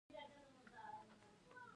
ډيپلومات د اړیکو مهارتونه پالي.